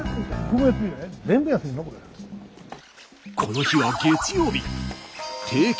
この日は月曜日。